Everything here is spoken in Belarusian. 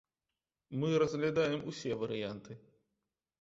Мы разглядаем усе варыянты.